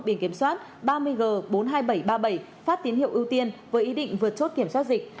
biển kiểm soát ba mươi g bốn mươi hai nghìn bảy trăm ba mươi bảy phát tín hiệu ưu tiên với ý định vượt chốt kiểm soát dịch